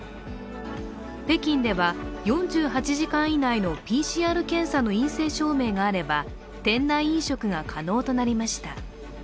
北京では４８時間以内のＰＣＲ検査の陰性証明があれは店内飲食が可能となりました。